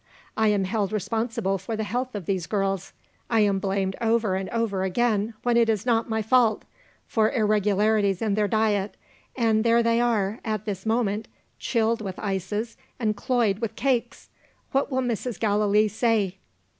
I am held responsible for the health of these girls; I am blamed over and over again, when it is not my fault, for irregularities in their diet and there they are, at this moment, chilled with ices and cloyed with cakes! What will Mrs. Gallilee say?"